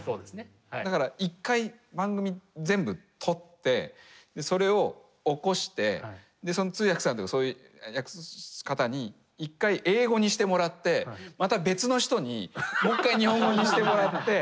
だから一回番組全部撮ってそれを起こしてその通訳さんとかそういう訳す方に一回英語にしてもらってまた別の人にもう一回日本語にしてもらって。